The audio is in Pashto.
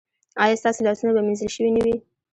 ایا ستاسو لاسونه به مینځل شوي نه وي؟